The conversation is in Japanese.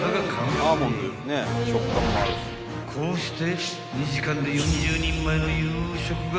［こうして］